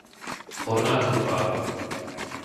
Horná Krupá